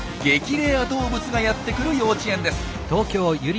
レア動物がやって来る幼稚園です。